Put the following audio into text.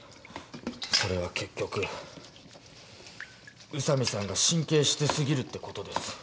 それは結局宇佐美さんが神経質すぎるってことです